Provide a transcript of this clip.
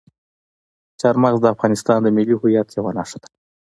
چار مغز د افغانستان د ملي هویت یوه نښه ده.